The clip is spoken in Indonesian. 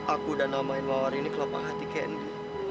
aku sudah namakan mawar ini gelabang hati kendi